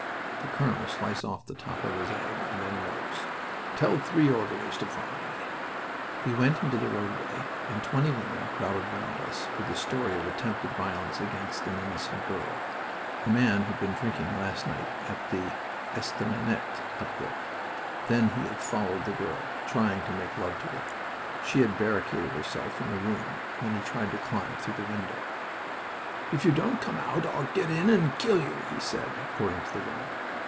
The colonel sliced off the top of his egg and then rose. "Tell three orderlies to follow me." We went into the roadway, and twenty women crowded round us with a story of attempted violence against an innocent girl. The man had been drinking last night at the estaminet up there. Then he had followed the girl, trying to make love to her. She had barricaded herself in the room, when he tried to climb through the window. "If you don't come out I'll get in and kill you," he said, according to the women.